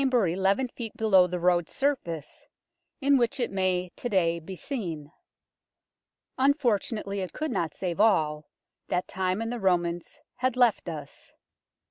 to no LONDON'S ROMAN BATHS 99 eleven feet below the road surface, in which it may to day be seen. Unfortunately it could not save all that time and the Romans had left us.